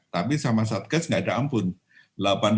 tapi sama satgas nggak ada ampun